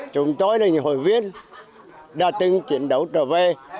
chúng tôi là những hội viên đã từng chiến đấu trở về